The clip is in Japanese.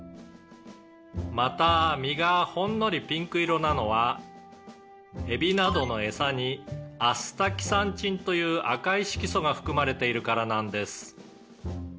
「また身がほんのりピンク色なのはエビなどのエサにアスタキサンチンという赤い色素が含まれているからなんです」